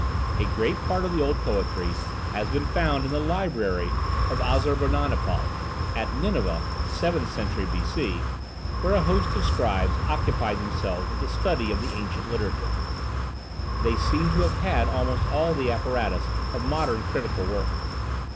A great part of the old poetry has been found in the library of Assurbanipal, at Nineveh (seventh century B.C.), where a host of scribes occupied themselves with the study of the ancient literature. They seem to have had almost all the apparatus of modern critical work.